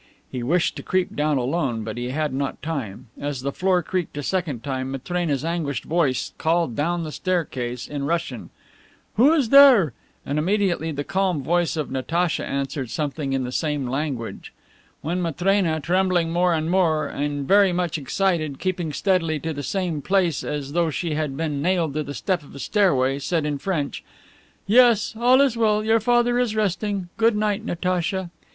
He wished to creep down alone, but he had not time. As the floor creaked a second time, Matrena's anguished voice called down the staircase in Russian, "Who is there?" and immediately the calm voice of Natacha answered something in the same language. Then Matrena, trembling more and more, and very much excited keeping steadily to the same place as though she had been nailed to the step of the stairway, said in French, "Yes, all is well; your father is resting. Good night, Natacha."